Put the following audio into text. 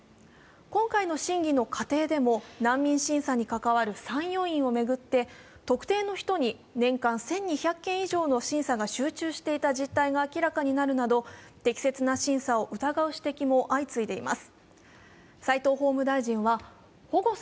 今回の審議の過程でも難民審査に関わる参与員を巡って特定の人に年間１２００件以上の審査が集中していた実態が明らかになるなど、適切な審査を疑う指摘も相次いでいます。